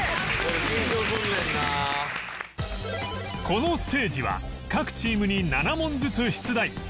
このステージは各チームに７問ずつ出題